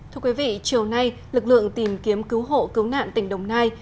thưa quý vị chiều nay lực lượng tìm kiếm cứu hộ cứu nạn tỉnh đồng nai